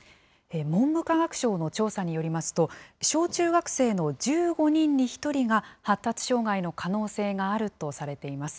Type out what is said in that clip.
文部科学省の調査によりますと、小中学生の１５人に１人が発達障害の可能性があるとされています。